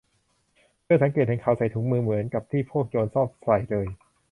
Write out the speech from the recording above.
เธอสังเกตเห็นเขาใส่ถุงมือ เหมือนกับที่พวกโจรชอบใส่เลย